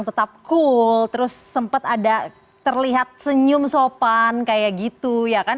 tetap cool terus sempat ada terlihat senyum sopan kayak gitu ya kan